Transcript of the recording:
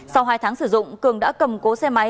sau hai tháng sử dụng cường đã cầm cố xe máy